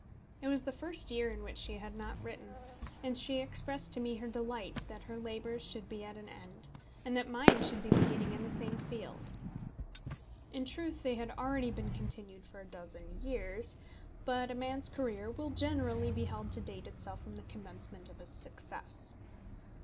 It was the first year in which she had not written, and she expressed to me her delight that her labours should be at an end, and that mine should be beginning in the same field. In truth they had already been continued for a dozen years, but a man's career will generally be held to date itself from the commencement of his success.